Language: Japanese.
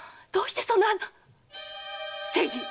どうしてそんな〕